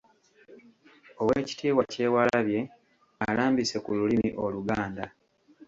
Oweekitiibwa Kyewalabye alambise ku lulimi Oluganda.